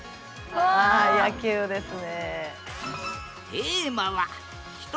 あ野球ですね。